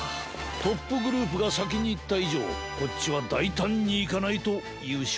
トップグループがさきにいったいじょうこっちはだいたんにいかないとゆうしょうできないぜ。